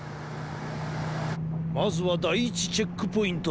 まずはだい１チェックポイントだ。